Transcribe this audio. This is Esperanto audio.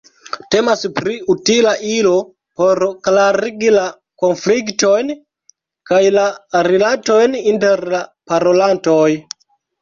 Temas pri utila ilo por klarigi la konfliktojn kaj la rilatojn inter la parolantoj.